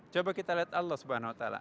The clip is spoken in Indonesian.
coba kita lihat allah swt